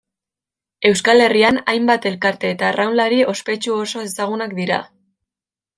Euskal Herrian hainbat elkarte eta arraunlari ospetsu oso ezagunak dira.